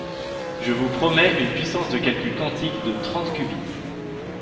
Je vous promets une puissance de calcul quantique de trente qubits.